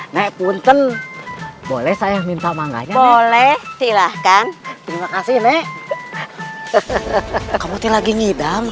nek punten boleh saya minta manganya boleh silahkan terima kasih nih kamu lagi ngidam